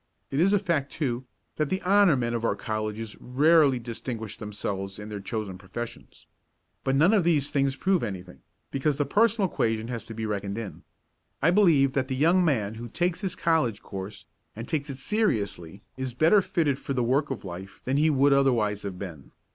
It is a fact, too, that the honour men of our colleges rarely distinguish themselves in their chosen professions. But none of these things prove anything, because the personal equation has to be reckoned in. I believe that the young man who takes his college course and takes it seriously is better fitted for the work of life than he would otherwise have been.